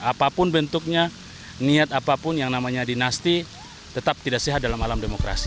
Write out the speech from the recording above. apapun bentuknya niat apapun yang namanya dinasti tetap tidak sehat dalam alam demokrasi